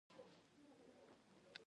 له تجربو زده کړه پکار ده